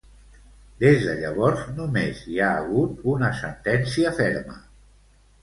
Des de llavors, només hi ha hagut una sentència ferma.